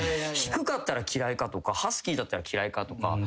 低かったら嫌いかとかハスキーだったら嫌いかとか。